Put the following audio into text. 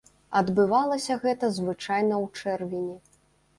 Адбывалася гэта звычайна ў чэрвені.